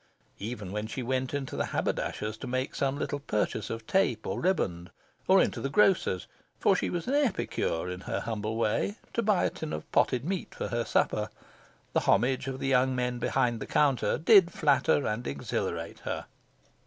Even when she went into the haberdasher's to make some little purchase of tape or riband, or into the grocer's for she was an epicure in her humble way to buy a tin of potted meat for her supper, the homage of the young men behind the counter did flatter and exhilarate her.